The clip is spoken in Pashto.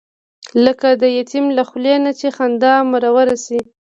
لکه د یتیم له خولې نه چې خندا مروره شي.